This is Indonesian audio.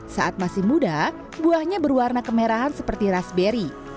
saat masih muda buahnya berwarna kemerahan seperti raspberry